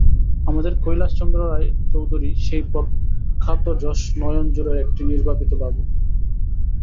আমাদের কৈলাসচন্দ্র রায় চৌধুরী সেই প্রখ্যাতযশ নয়নজোড়ের একটি নির্বাপিত বাবু।